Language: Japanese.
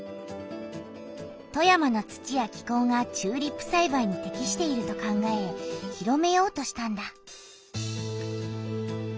富山の土や気こうがチューリップさいばいにてきしていると考え広めようとしたんだ。